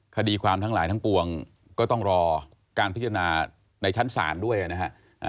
คดีความทั้งหลายทั้งปวงก็ต้องรอการพิจารณาในชั้นศาลด้วยนะฮะ